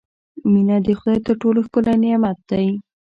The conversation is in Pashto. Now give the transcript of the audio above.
• مینه د خدای تر ټولو ښکلی نعمت دی.